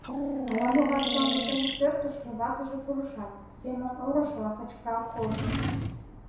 Ала-могай сомыл дене пӧртышкӧ ватыже пурышат, Семон орышыла кычкырал колтыш: